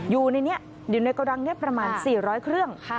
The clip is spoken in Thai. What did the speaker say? อยู่ในนี้อยู่ในกระดังนี้ประมาณ๔๐๐เครื่อง